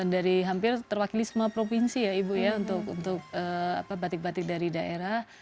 dari hampir terwakili semua provinsi ya ibu ya untuk batik batik dari daerah